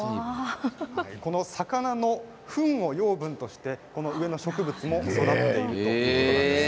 この魚のフンを養分として上の植物も育っているんです。